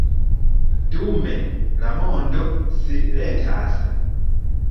Dume la mondo silentas.